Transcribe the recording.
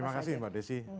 terima kasih mbak desi